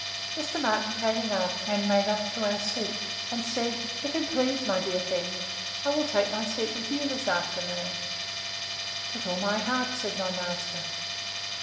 Mr. Martin came in after us, and made up to our seat; and said, If you please, my dear friend, I will take my seat with you this afternoon. With all my heart, said my master.